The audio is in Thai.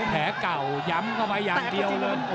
แผลเก่าย้ำเข้าไปอย่างเดียวเลย